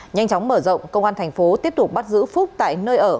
nhanh chóng mở rộng công an thành phố tiếp tục bắt giữ phúc tại nơi ở